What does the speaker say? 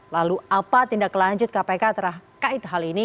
lalu apa tindak lanjut kpk terkait hal ini